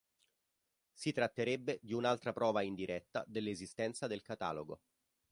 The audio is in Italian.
Si tratterebbe di un'altra prova indiretta dell'esistenza del catalogo.